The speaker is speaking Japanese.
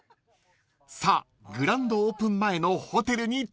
［さあグランドオープン前のホテルに到着です］